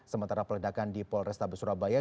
sementara peledakan di polresta besurabaya